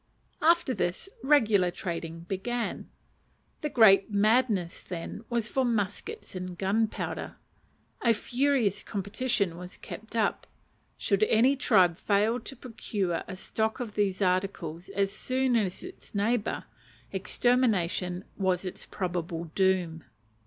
After this, regular trading began. The great madness then was for muskets and gunpowder. A furious competition was kept up. Should any tribe fail to procure a stock of these articles as soon as its neighbours, extermination was its probable doom.